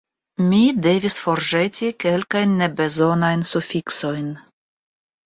Mi devis forĵeti kelkajn nebezonajn sufiksojn.